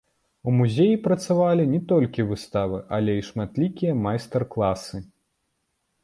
У музеі працавалі не толькі выставы, але і шматлікія майстар-класы.